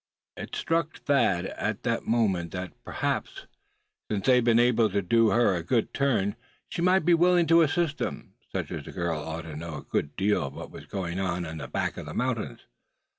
It struck Thad at the moment that perhaps, since they had been enabled to do her a good turn, she might be willing to assist them. Such a girl ought to know a good deal of what was going on back in the mountains.